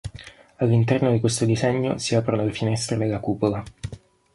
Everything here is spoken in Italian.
All'interno di questo disegno si aprono le finestre della cupola.